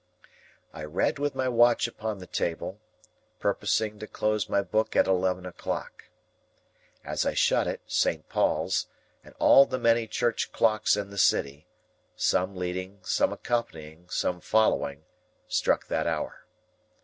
I read with my watch upon the table, purposing to close my book at eleven o'clock. As I shut it, Saint Paul's, and all the many church clocks in the City—some leading, some accompanying, some following—struck that hour.